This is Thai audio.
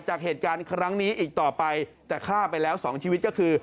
จากเหตุการณ์ครั้งนี้อีกต่อไปแต่ฆ่าไปแล้วสองชีวิตก็คือ